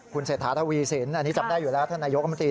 คุณเศรษฐาทวีสินอันนี้จำได้อยู่แล้วท่านนายกรัฐมนตรี